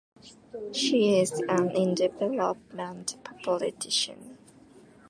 She is an independent politician.